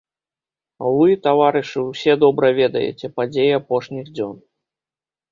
Вы, таварышы, усе добра ведаеце падзеі апошніх дзён.